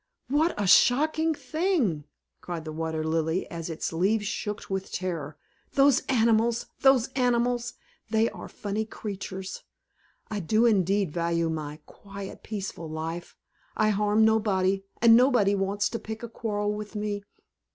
"What a shocking thing!" cried the Water Lily, as its leaves shook with terror. "Those animals! those animals! They are funny creatures. I do indeed value my quiet, peaceful life. I harm nobody, and nobody wants to pick a quarrel with me.